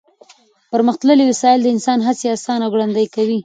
پرمختللې وسایل د انسان هڅې اسانه او ګړندۍ کوي.